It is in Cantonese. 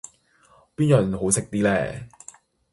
邊樣好食啲呢？